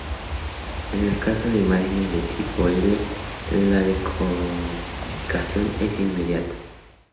En el caso de imágenes de tipo I, la decodificación es inmediata.